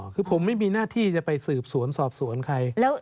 คือผมไม่มีหน้าที่จะไปสืบสวนสอบสวนใคร